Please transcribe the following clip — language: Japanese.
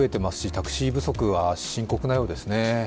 タクシー不足は深刻なようですね。